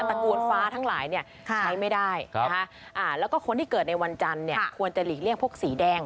ระกูลฟ้าทั้งหลายใช้ไม่ได้แล้วก็คนที่เกิดในวันจันทร์ควรจะหลีกเลี่ยงพวกสีแดง